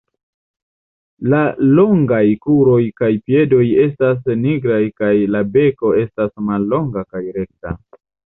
La longaj kruroj kaj piedoj estas nigraj kaj la beko estas mallonga kaj rekta.